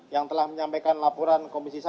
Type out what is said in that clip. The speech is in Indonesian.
yang telah menyampaikan laporan komisi satu